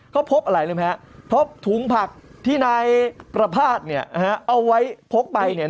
ก็พบอะไรรู้ไหมครับพบถุงผักที่นายประภาษณ์เอาไว้พกไป